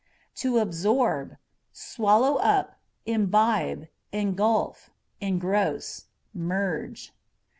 To Absorb â€" swallow up, imbibe, engulf, engross, merge.